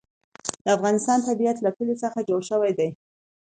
د افغانستان طبیعت له کلي څخه جوړ شوی دی.